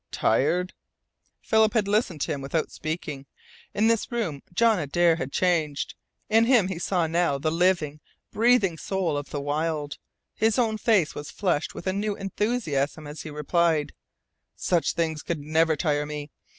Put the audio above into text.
"Tired!" Philip had listened to him without speaking. In this room John Adare had changed. In him he saw now the living, breathing soul of the wild. His own face was flushed with a new enthusiasm as he replied: "Such things could never tire me.